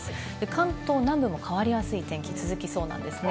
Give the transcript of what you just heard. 関東南部も変わりやすい天気が続きそうなんですね。